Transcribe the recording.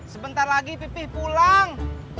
sebentar lagi pipih pulang